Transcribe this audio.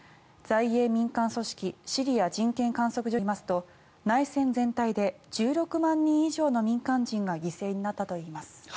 在英民間組織シリア人権観測所によりますと内戦全体で１６万人以上の民間人が犠牲になったといいます。